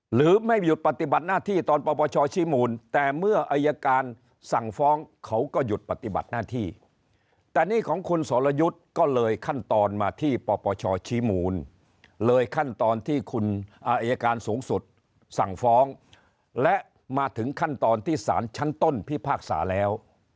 หรือไม่หยุดปฏิบัติหน้าที่ตอนปปชชี้มูลแต่เมื่ออายการสั่งฟ้องเขาก็หยุดปฏิบัติหน้าที่แต่นี่ของคุณสรยุทธ์ก็เลยขั้นตอนมาที่ปปชชี้มูลเลยขั้นตอนที่คุณอายการสูงสุดสั่งฟ้องและมาถึงขั้นตอนที่สารชั้นต้นพิพากษาแล้ว